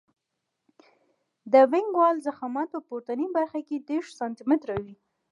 د وینګ وال ضخامت په پورتنۍ برخه کې دېرش سانتي متره وي